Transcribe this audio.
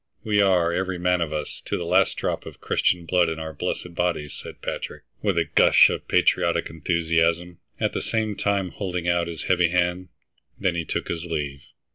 We are, every man of us, to the last drop of Christian blood in our blessed bodies," said Patrick, with a gush of patriotic enthusiasm, at the same time holding out his heavy hand. Then he took his leave.